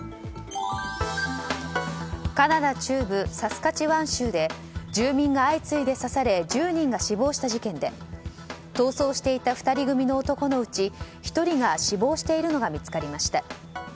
カナダ中部サスカチワン州で住民が相次いで刺され１０人が死亡した事件で逃走していた２人組の男のうち１人が死亡しているのが見つかりました。